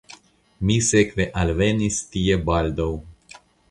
Mi sekve alvenis tie baldaŭ.